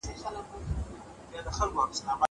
زه بايد سفر وکړم!